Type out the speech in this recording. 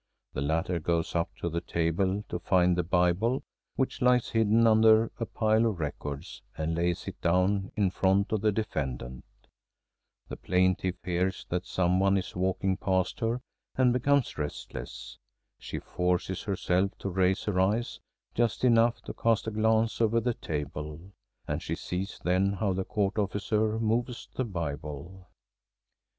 The latter goes up to the table to find the Bible, which lies hidden under a pile of records, and lays it down in front of the defendant. The plaintiff hears that some one is walking past her and becomes restless. She forces herself to raise her eyes just enough to cast a glance over the table, and she sees then how the court officer moves the Bible.